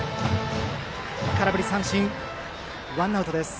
空振り三振ワンアウトです。